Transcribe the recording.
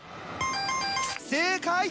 正解。